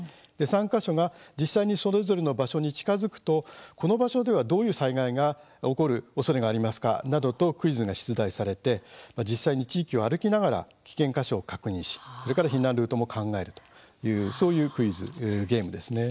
参加者が、実際にそれぞれの場所に近づくとこの場所では、どういう災害が起こるおそれがありますか？などとクイズが出題されて実際に地域を歩きながら危険箇所を確認し、それから避難ルートも考えるというそういうクイズ、ゲームですね。